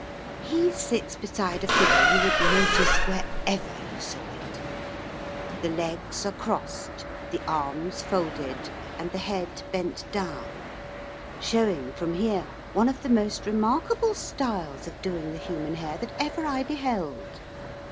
He sits beside a figure you would notice wherever you saw it. The legs are crossed, the arms folded, and the head bent down, showing from here one of the most remarkable styles of doing the human hair that ever I beheld.